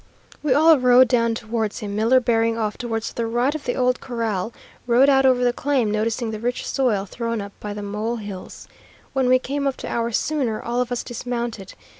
We all rode down towards him, Miller bearing off towards the right of the old corral, rode out over the claim noticing the rich soil thrown up by the mole hills. When we came up to our sooner, all of us dismounted.